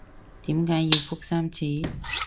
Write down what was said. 點解要覆三次？